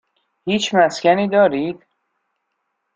هیچ مسکنی دارید؟